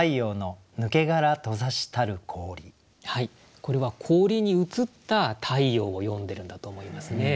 これは氷に映った太陽を詠んでるんだと思いますね。